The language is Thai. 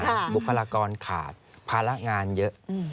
บุคลากรขาดภาระงานเยอะ